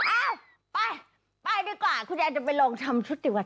อ้าวไปไปดีกว่าคุณยายจะไปลองทำชุดดีกว่า